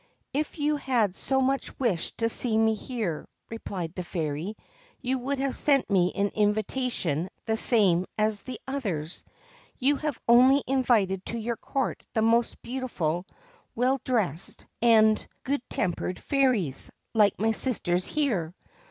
' If you had so much wished to see me here,' replied the fairy, ' you would have sent me an invitation the same as the others. You have only invited to your court the most beautiful, well dressed and p 129 THE GREEN SERPENT good tempered fairies, like my sisters here.